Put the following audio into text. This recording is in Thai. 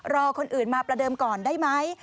รอคนอื่นมาประเดิมก่อนได้ไหม